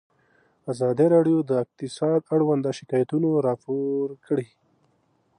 ازادي راډیو د اقتصاد اړوند شکایتونه راپور کړي.